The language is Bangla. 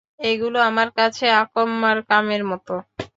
এগুলো আমার কাছে অকম্মার কামের মতো।